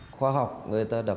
khoa học người ta đọc